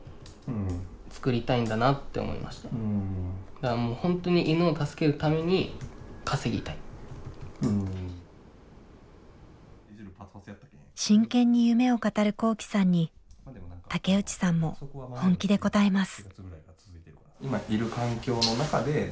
だからホントに真剣に夢を語る昂志さんに竹内さんも本気で応えます。